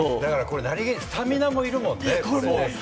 何気にスタミナもいるもんね。